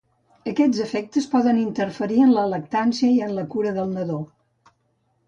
Aquests efectes poden interferir en la lactància i en la cura del nadó.